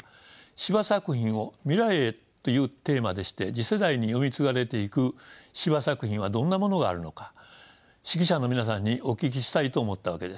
「司馬作品を未来へ」というテーマでして次世代に読み継がれていく司馬作品はどんなものがあるのか識者の皆さんにお聞きしたいと思ったわけです。